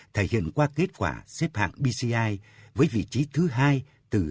thể hiện qua kết quả xếp hạng bci với vị trí thứ hai từ hai nghìn năm đến hai nghìn bảy